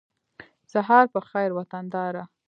سهار په خېر وطنداره